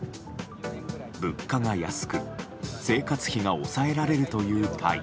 物価が安く生活費が抑えられるというタイ。